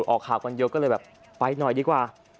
ออกข่าวกันเยอะก็เลยแบบไปหน่อยดีกว่า